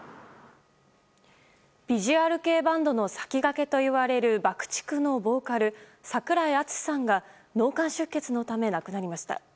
ビジュアル系バンドの先駆けといわれるＢＵＣＫ‐ＴＩＣＫのボーカル櫻井敦司さんが脳幹出血のため亡くなりました。